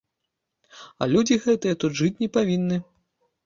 А людзі гэтыя тут жыць не павінны.